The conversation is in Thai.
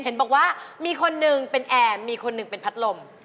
เห็นบอกว่ามีคนหนึ่งเป็นแอร์มีคนหนึ่งเป็นพัดลม